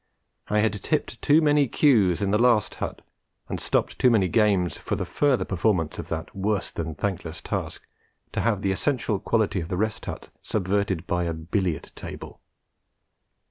I had tipped too many cues at the last hut, and stopped too many games for the further performance of that worse than thankless task, to have the essential quality of the Rest Hut subverted by a billiard table.